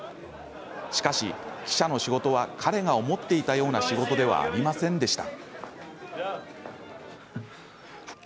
しかし、記者の仕事は彼が思っていたような仕事ではありませんでした。